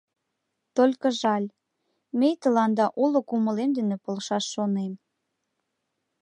Только жаль, мей тыланда уло кумылем дене полшаш шонем.